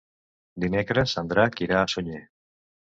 Dimecres en Drac irà a Sunyer.